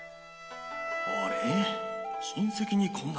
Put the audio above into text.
あれ？